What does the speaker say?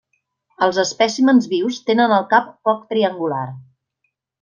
Els espècimens vius tenen el cap poc triangular.